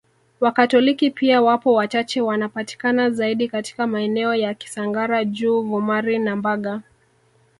Wakatoliki pia wapo wachache wanapatikana zaidi katika maeneo ya Kisangara juu Vumari na Mbaga